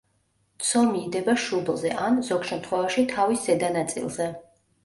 ცომი იდება შუბლზე ან, ზოგ შემთხვევაში, თავის ზედა ნაწილზე.